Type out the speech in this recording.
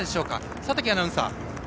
佐竹アナウンサー。